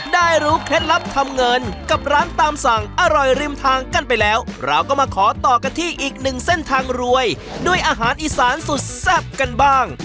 ได้รู้เคล็ดลับทำเงินกับร้านตามสั่งอร่อยริมทางกันไปแล้วเราก็มาขอต่อกันที่อีกหนึ่งเส้นทางรวยด้วยอาหารอีสานสุดแซ่บกันบ้าง